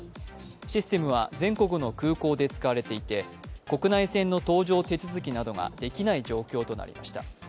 システムは全国の空港で使われていて国内線の搭乗手続きなどができない状況となりました。